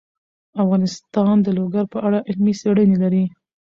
افغانستان د لوگر په اړه علمي څېړنې لري.